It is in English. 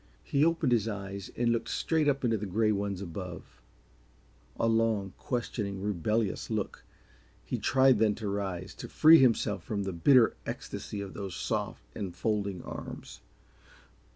He opened his eyes and looked straight up into the gray ones above a long, questioning, rebellious look. He tried then to rise, to free himself from the bitter ecstasy of those soft, enfolding arms.